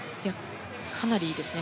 かなりいいですね。